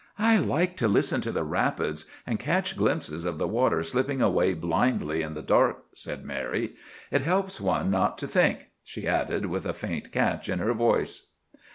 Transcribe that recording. "I like to listen to the rapids, and catch glimpses of the water slipping away blindly in the dark," said Mary. "It helps one not to think," she added with a faint catch in her voice.